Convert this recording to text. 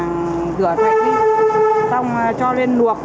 mình lấy thịt về thì mình rửa sạch đi xong cho lên luộc